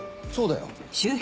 そうだよ。